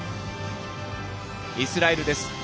イスラエルです。